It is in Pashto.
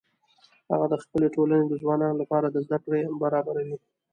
هغه د خپلې ټولنې د ځوانانو لپاره زده کړې برابروي